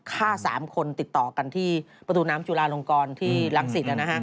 ฆ่า๓คนติดต่อกันที่ประตูน้ำจุลาลงกรที่รังสิต